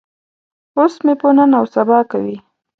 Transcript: اوس مې په نن او سبا کوي.